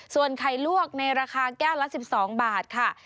ส่วนไข่ลวกในราคาแก้วละ๑๒บาทค่ะ